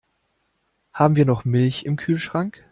Haben wir noch Milch im Kühlschrank?